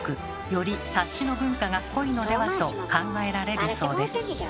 より「察しの文化」が濃いのではと考えられるそうです。